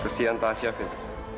kesian tasya fik